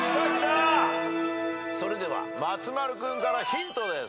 それでは松丸君からヒントです。